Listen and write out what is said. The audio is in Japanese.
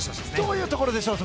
どういうところでしょう？